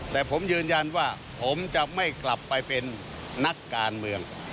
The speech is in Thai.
แต่ผมยืนยันว่าผมจะไม่กลับไปเป็นนักการเมือง